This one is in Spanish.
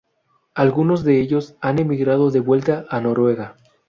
Algunos de ellos han emigrado de vuelta a Noruega.